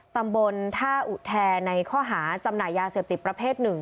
ตำบลท่าอุแทในข้อหาจำหน่ายยาเสพติดประเภทหนึ่ง